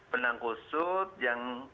benang kusut yang